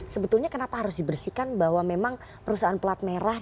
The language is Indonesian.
sebetulnya kenapa harus dibersihkan bahwa memang perusahaan pelat merah